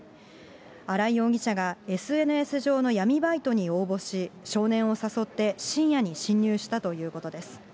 荒井容疑者がＳＮＳ上の闇バイトに応募し、少年を誘って深夜に侵入したということです。